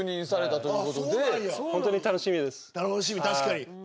確かに。